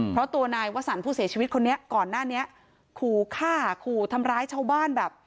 เพราะตัวนายวสันผู้เสียชีวิตคนนี้ก่อนหน้านี้ขู่ฆ่าขู่ทำร้ายชาวบ้านแบบ